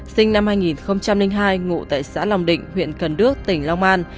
sinh năm hai nghìn hai ngụ tại xã lòng định huyện cần đước tỉnh long an